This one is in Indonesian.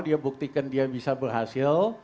dia buktikan dia bisa berhasil